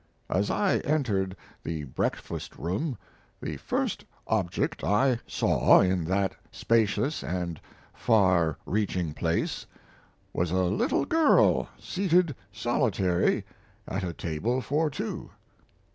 As I entered the breakfast room the first object I saw in that spacious and far reaching place was a little girl seated solitary at a table for two.